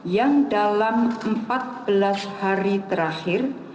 yang dalam empat belas hari terakhir